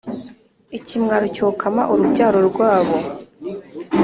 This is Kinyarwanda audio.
ikimwaro cyokame urubyaro rwabo.